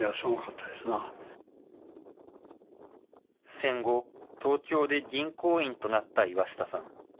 戦後、東京で銀行員となった岩下さん。